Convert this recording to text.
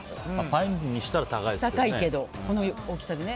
パインにしたら高いけどね。